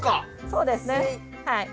そうですねはい。